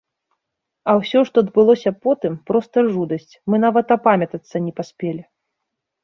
А ўсё, што адбылося потым, проста жудасць, мы нават апамятацца не паспелі.